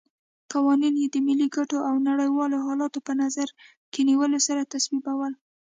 قوانین یې د ملي ګټو او نړیوالو حالاتو په نظر کې نیولو سره تصویبول.